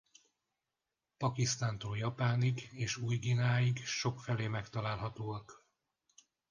Pakisztántól Japánig és Új-Guineáig sokfelé megtalálhatóak.